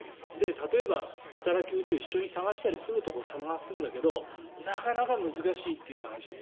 例えば働き口を一緒に探したり住むところを探すんだけどなかなか難しいという話です